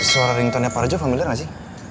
suara ringtone nya parajo familiar gak sih